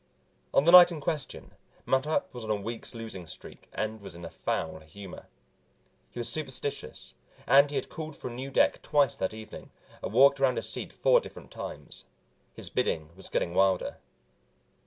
On the night in question, Mattup was on a week's losing streak and was in a foul humor. He was superstitious, and he had called for a new deck twice that evening and walked around his seat four different times. His bidding was getting wilder.